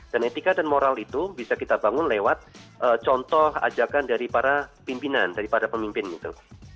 etika dan moral itu bisa kita bangun lewat contoh ajakan dari para pimpinan dari para pemimpin itu